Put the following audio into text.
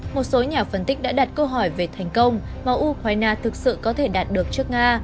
một số nhà phân tích đã đặt câu hỏi về thành công mà ukraine thực sự có thể đạt được trước nga